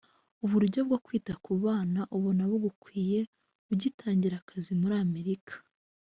uburyo bwo kwita ku bana ubona bugukwiriye ugitangira akazi muri amerika